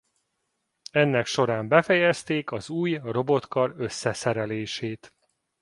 Ennek során befejezték az új robotkar összeszerelését.